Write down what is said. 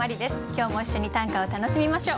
今日も一緒に短歌を楽しみましょう。